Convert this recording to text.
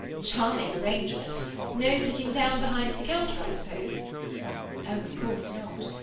"Charming arrangement! No sitting down behind the counter, I suppose?" "Oh, of course not.